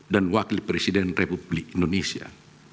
dan wakil presiden republik indonesia